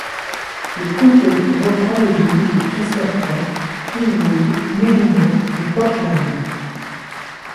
Le comté comprend les villes de Casterton, Heywood, Merino et Portland.